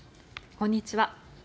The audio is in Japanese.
こんにちは。